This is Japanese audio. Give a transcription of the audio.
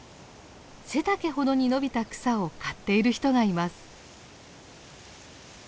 背丈ほどに伸びた草を刈っている人がいます。